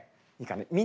いいかな？